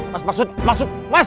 mas masuk mas